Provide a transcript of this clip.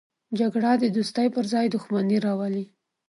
جګړه د دوستۍ پر ځای دښمني راولي